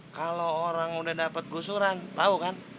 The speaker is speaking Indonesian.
kalau orang udah dapat gusuran tahu kan